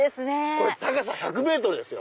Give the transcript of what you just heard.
これ高さ１００ｍですよ。